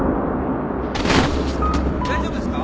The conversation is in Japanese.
大丈夫ですか？